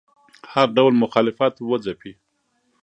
هر ډول مخالفت وځپي